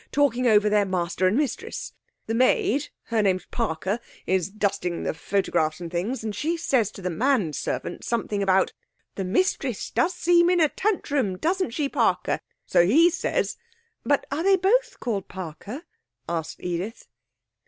talking over their master and mistress. The maid her name's Parker is dusting the photographs and things, and she says to the manservant something about "The mistress does seem in a tantrum, doesn't she, Parker?" So he says ' 'But are they both called Parker?' asked Edith.